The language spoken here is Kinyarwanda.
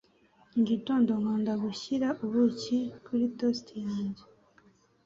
Mu gitondo, nkunda gushyira ubuki kuri toast yanjye.